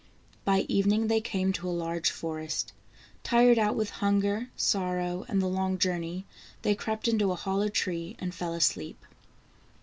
By evening they came to a large forest. Tired out with hun ger, sorrow, and the long journey, they crept into a hollow tree, and fell asleep.